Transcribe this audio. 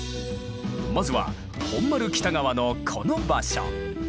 まずは本丸北側のこの場所。